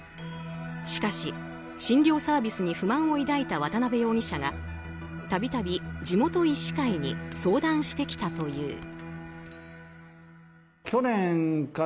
しかし、診療サービスに不満を抱いた渡辺容疑者が度々地元医師会に相談してきたという。